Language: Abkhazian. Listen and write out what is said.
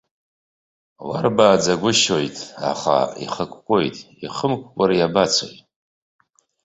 Уарбааӡагәышьоит, аха ихыкәкәоит, ихымкәкәар иабацои.